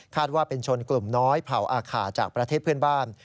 ว่าเป็นชนกลุ่มน้อยเผาอาขาจากประเทศเพื่อนบ้าน